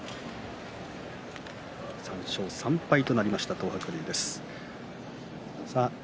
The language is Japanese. ３勝３敗となりました、東白龍。